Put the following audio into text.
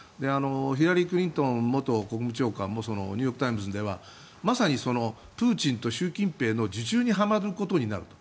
ヒラリー・クリントン元国務長官もニューヨーク・タイムズではまさにプーチンと習近平の術中にはまることになると。